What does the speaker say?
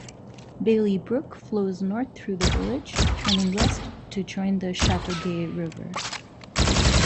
Bailey Brook flows north through the village, turning west to join the Chateaugay River.